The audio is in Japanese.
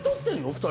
２人。